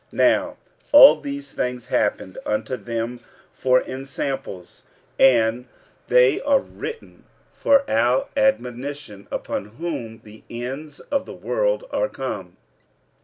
46:010:011 Now all these things happened unto them for ensamples: and they are written for our admonition, upon whom the ends of the world are come.